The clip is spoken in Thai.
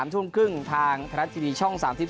๓ทุ่มครึ่งทางทะลัดทีนี้ช่อง๓๒